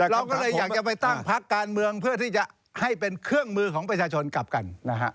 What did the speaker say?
เราก็เลยอยากจะไปตั้งพักการเมืองเพื่อที่จะให้เป็นเครื่องมือของประชาชนกลับกันนะฮะ